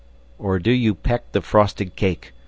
Or do you peck the frosted cake?